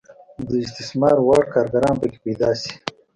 د استثمار وړ کارګران پکې پیدا شي.